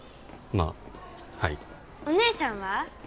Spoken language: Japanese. まあはいお姉さんは？